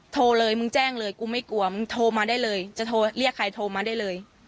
โทรเลยมึงแจ้งเลยกูไม่กลัวมึงโทรมาได้เลยจะโทรเรียกใครโทรมาได้เลย